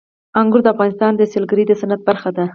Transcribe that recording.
انګور د افغانستان د سیلګرۍ د صنعت برخه ده.